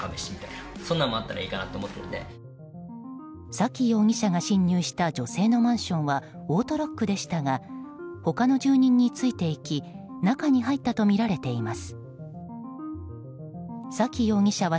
崎容疑者が侵入した女性のマンションはオートロックでしたが他の住人についていき中に入ったとみられています。